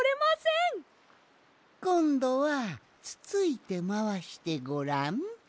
こんどはつついてまわしてごらん。